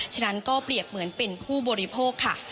ฉะนั้นก็เปรียบเหมือนเป็นผู้บริโภคค่ะ